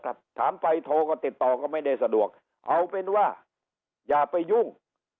ถามไปโทรก็ติดต่อก็ไม่ได้สะดวกเอาเป็นว่าอย่าไปยุ่ง